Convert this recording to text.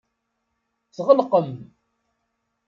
Tɣelqem.